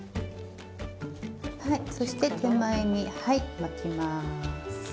そして手前に巻きます。